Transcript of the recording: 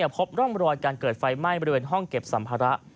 พบร่องรอยการเกิดไฟไหม้บริเวณห้องเก็บสัมภาระ